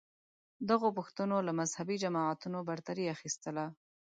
دغو پوښتنو له مذهبې جماعتونو برتري اخیستله